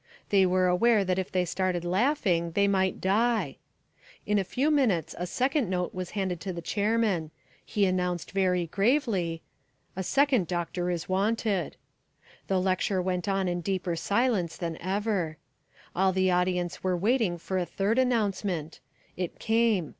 They were aware that if they started laughing they might die. In a few minutes a second note was handed to the chairman. He announced very gravely, "A second doctor is wanted." The lecture went on in deeper silence than ever. All the audience were waiting for a third announcement. It came.